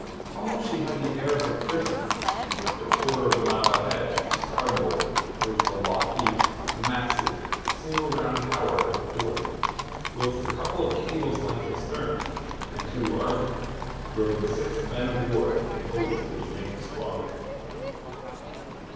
Almost she had the air of a prisoner, for a quarter of a mile ahead, to starboard, rose the lofty, massive single round tower of the fort, whilst a couple of cables' length astern, and to larboard, rode the six men of war that composed the Jamaica squadron.